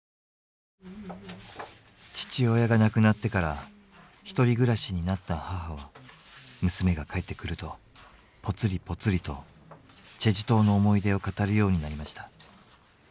父親が亡くなってから１人暮らしになった母は娘が帰ってくるとポツリポツリと済州島の思い出を語るようになりました。